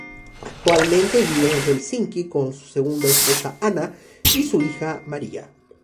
Actualmente vive en Helsinki con su segunda esposa Anna y su hija Maria.